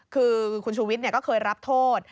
คือคุณชูวิทย์ก็เคยรับโทษ